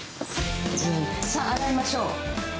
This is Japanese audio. さあ、洗いましょう。